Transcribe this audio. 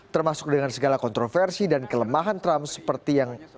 termasuk dengan segala kontroversi dan kelemahan trump seperti yang